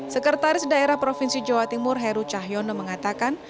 sekretaris daerah provinsi jawa timur heru cahyono mengatakan